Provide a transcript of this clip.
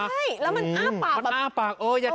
ได้และมันอ้าปาก